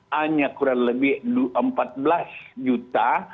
hanya kurang lebih empat belas juta